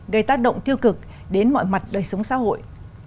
gây tác động tiêu cực đến mọi mặt đời sống xã hội